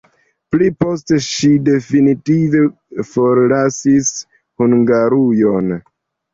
Pli poste ŝi definitive forlasis Hungarujon.